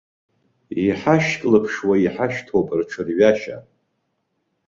Иҳашьклаԥшуа иҳашьҭоуп рҽырҩашьа.